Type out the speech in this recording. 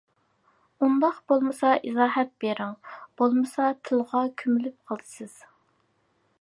ئۇنداق بولمىسا ئىزاھات بىرىڭ. بولمىسا تىلغا كۆمۈلۈپ قالىسىز.